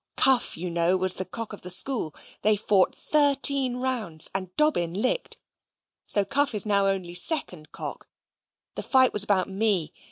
Cuff, you know, was the Cock of the School. They fought thirteen rounds, and Dobbin Licked. So Cuff is now Only Second Cock. The fight was about me.